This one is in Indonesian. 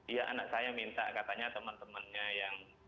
iya anak saya minta katanya teman temannya yang